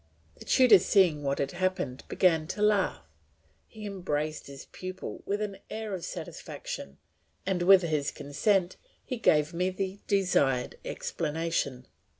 The tutor seeing what had happened began to laugh; he embraced his pupil with an air of satisfaction and, with his consent, he gave me the desired explanation.